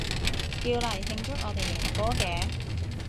叫嚟慶祝我哋贏波嘅